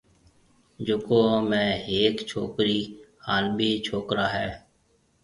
جڪو ۾ هيَڪ ڇوڪرِي هانَ ٻي ڇوڪرا هيَ۔